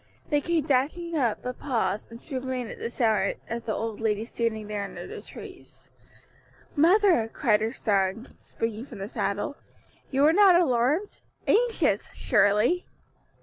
They came dashing up, but paused and drew rein again at sight of the old lady standing there under the trees. "Mother," cried her son, springing from the saddle, "you were not alarmed? anxious? surely."